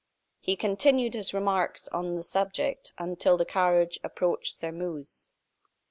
He continued his remarks on this subject until the carriage approached Sairmeuse.